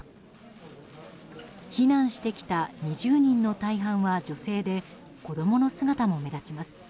避難してきた２０人の大半は女性で子供の姿も目立ちます。